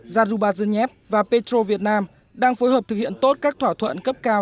zarubazhnev và petro việt nam đang phối hợp thực hiện tốt các thỏa thuận cấp cao